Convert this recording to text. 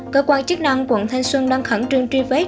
cơ quan chức năng quận thanh xuân đang khẩn trương truy vết